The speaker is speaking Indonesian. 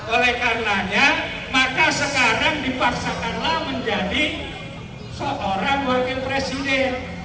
oleh karenanya maka sekarang dipaksakanlah menjadi seorang wakil presiden